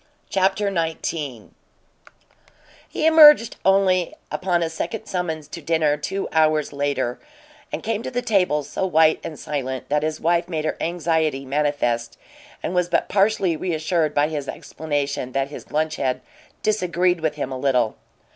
CHAPTER XIX He emerged only upon a second summons to dinner, two hours later, and came to the table so white and silent that his wife made her anxiety manifest and was but partially reassured by his explanation that his lunch had "disagreed" with him a little.